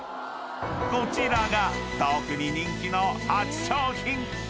［こちらが特に人気の８商品］